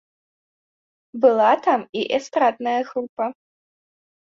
Была там і эстрадная група.